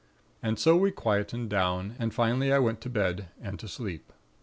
"And so we quietened down, and finally I went to bed, and to sleep.